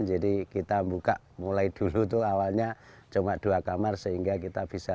jadi kita buka mulai dulu tuh awalnya cuma dua kamar sehingga kita bisa tiga puluh enam kamar